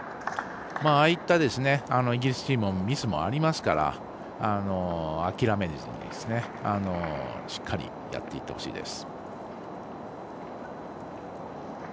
ああいった、イギリスチームもミスありますからしっかりやっていってほしいです。